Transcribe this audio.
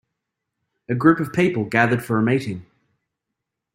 A group of people gathered for a meeting.